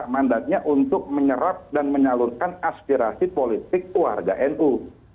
mandatnya untuk menyerap dan menyalurkan aspirasi politik warga nu